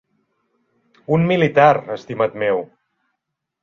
Un militar, estimat meu.